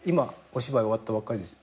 お芝居終わったばっかりです。